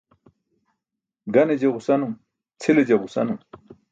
Gane je ġusanum, cʰile je ġusanum.